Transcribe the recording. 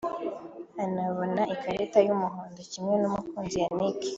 anabona ikarita y’umuhondo kimwe na Mukunzi Yannick